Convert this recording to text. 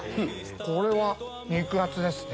これは肉厚ですね。